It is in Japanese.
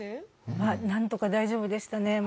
まあなんとか大丈夫でしたね。